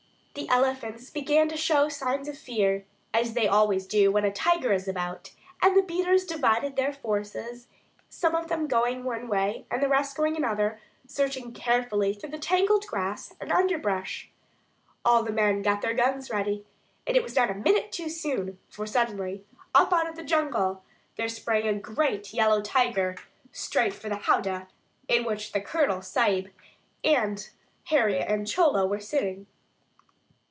The elephants began to show signs of fear, as they always do when a tiger is about, and the beaters divided their forces, some of them going around one way and the rest another, searching carefully through the tangled grass and underbrush. All the men got their guns ready, and it was not a minute too soon; for, suddenly, up out of the jungle, there sprang a great yellow tiger, straight for the "howdah" in which the Colonel Sahib and Harry and Chola were sitting.